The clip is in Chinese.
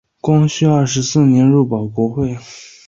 光绪二十四年入保国会。